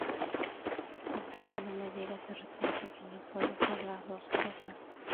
Asi que no me digas de repente que no puedo ser las dos cosas.